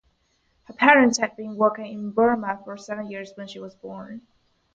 Her parents had been working in Burma for seven years when she was born.